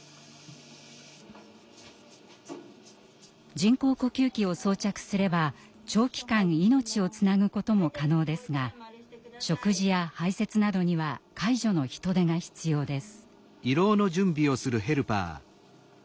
人工呼吸器を装着すれば長期間命をつなぐことも可能ですが食事や排せつなどには介助の人手が必要です。